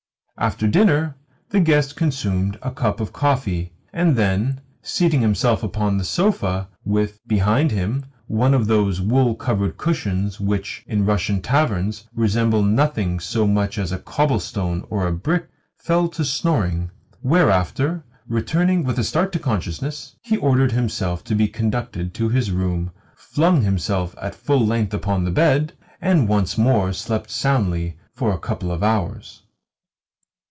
After dinner the guest consumed a cup of coffee, and then, seating himself upon the sofa, with, behind him, one of those wool covered cushions which, in Russian taverns, resemble nothing so much as a cobblestone or a brick, fell to snoring; whereafter, returning with a start to consciousness, he ordered himself to be conducted to his room, flung himself at full length upon the bed, and once more slept soundly for a couple of hours.